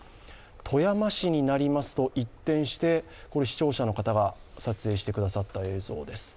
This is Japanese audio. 富山市になりますと一転してこれ視聴者の方が撮影してくださった映像です。